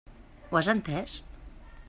Ho has entès?